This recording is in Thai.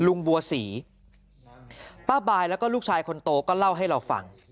ลุงบัวศรีป้าบายแล้วก็ลูกชายคนโตก็เล่าให้เราฟัง